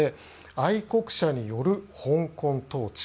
愛国者のよる香港統治。